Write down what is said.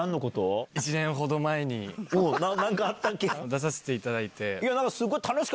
出させていただいて。